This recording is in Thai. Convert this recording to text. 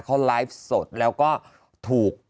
เขาไลฟ์สดแล้วก็ถูก